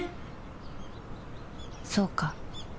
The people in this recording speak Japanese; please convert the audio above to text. そうか